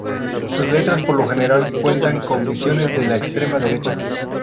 Sus letras por lo general cuentan con visiones de la extrema derecha.